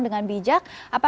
dari pihak perbankan